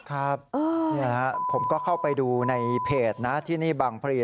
ครับผมก็เข้าไปดูในเพจนะที่นี่บางพลี